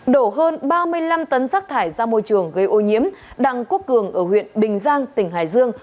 đổ hơn ba mươi năm tấn rác thải ra môi trường gây ô nhiễm đặng quốc cường ở huyện bình giang tỉnh hải dương